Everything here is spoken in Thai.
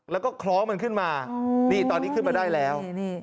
แล้วก็คล้องมันขึ้นมานี่ตอนนี้ขึ้นมาได้แล้ว